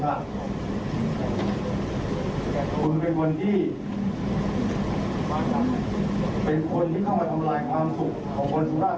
เป็นคนที่เข้ามาทำลายความสุขของคนสุรธารีย์